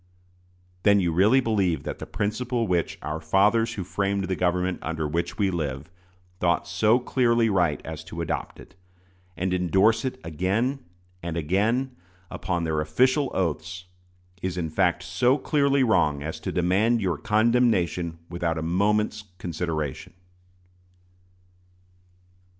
Then you really believe that the principle which "our fathers who framed the government under which we live" thought so clearly right as to adopt it, and indorse it again and again, upon their official oaths, is in fact so clearly wrong as to demand your condemnation without a moment's consideration.